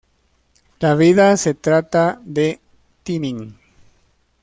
La vida se trata de "timing".